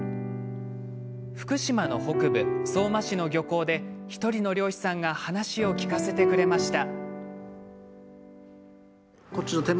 福島の北部、相馬市の漁港で１人の漁師さんが話を聞かせてくれました。